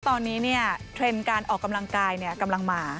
ตอนนี้เทรนด์การออกกำลังกายกำลังมา